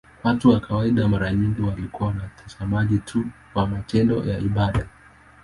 Watu wa kawaida mara nyingi walikuwa watazamaji tu wa matendo ya ibada.